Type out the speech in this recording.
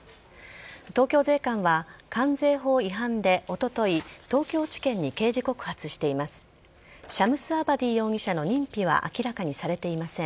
東京税関は関税法違反でおととい東京地検に刑事告発しています。